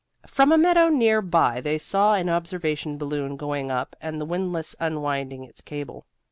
From a meadow near by they saw an observation balloon going up and the windlass unwinding its cable.